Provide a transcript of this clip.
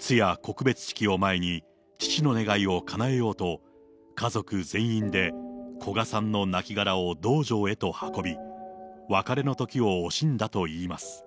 通夜・告別式を前に、父の願いをかなえようと、家族全員で古賀さんのなきがらを道場へと運び、別れのときを惜しんだといいます。